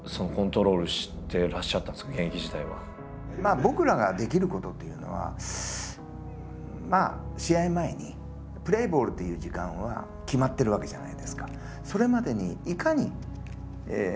僕らができることっていうのは試合前にプレーボールという時間は決まってるわけじゃないですか。